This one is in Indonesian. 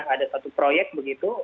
ada satu proyek begitu